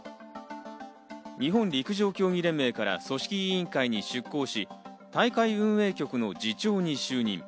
日本陸上競技連盟から組織委員会に出向し、大会運営局の次長に就任。